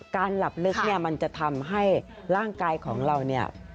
การหลับลึกเนี่ยมันจะทำให้ร่างกายของเราเนี่ย